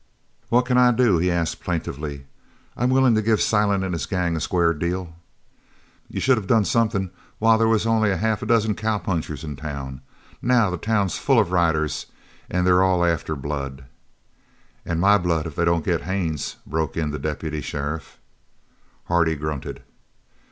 "What can I do?" he asked plaintively. "I'm willin' to give Silent and his gang a square deal." "You should of done something while they was only a half dozen cowpunchers in town. Now the town's full of riders an' they're all after blood." "An' my blood if they don't get Haines!" broke in the deputy sheriff. Hardy grunted.